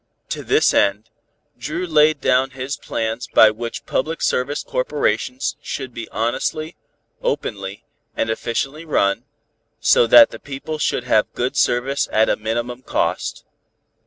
To this end, Dru laid down his plans by which public service corporations should be honestly, openly and efficiently run, so that the people should have good service at a minimum cost.